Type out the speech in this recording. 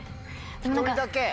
１人だけ？